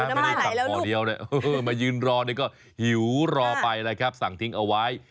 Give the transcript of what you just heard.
ไม่ได้สั่งห่อเดียวมายืนรอนี่ก็หิวรอไปนะครับสั่งทิ้งเอาไว้